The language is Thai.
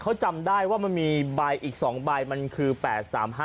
เขาจำได้ว่ามันมีใบอีก๒ใบมันคือ๘๓๕